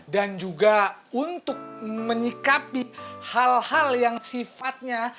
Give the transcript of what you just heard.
dan juga untuk menyikapi hal hal yang sifatnya